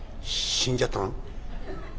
死んじゃったの？」。